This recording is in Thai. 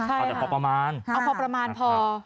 เอาแต่พอประมาณเอาพอประมาณพอ